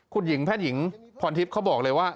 คุณหญิงแพทย์หญิงพรทิพย์เขาบอกเลยว่า